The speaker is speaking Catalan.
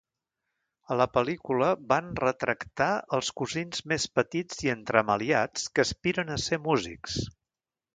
A la pel·lícula, van retractar els cosins més petits i entremaliats que aspiren a ser músics.